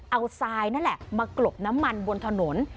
เอาทรายนั่นแหละมากรบน้ำมันบนถนน